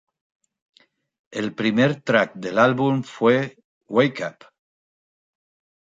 El primer track del álbum fue "Wake Up!